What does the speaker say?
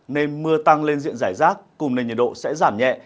nên mưa tăng lên diện giải rác cùng nền nhiệt độ sẽ giảm nhẹ